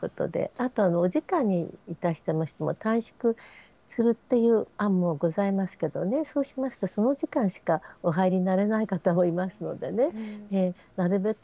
あとお時間にいたしましても、短縮するっていう案もございますけどね、そうしますと、その時間しかお入りになれない方もいますのでね、なるべく